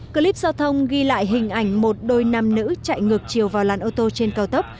clip giao thông ghi lại hình ảnh một đôi nam nữ chạy ngược chiều vào làn ô tô trên cao tốc